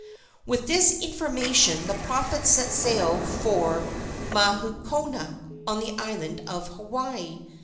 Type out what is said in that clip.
With this information the prophet set sail for Mahukona, on the island of Hawaii.